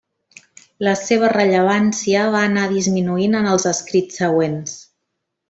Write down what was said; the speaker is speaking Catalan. La seva rellevància va anar disminuint en els escrits següents.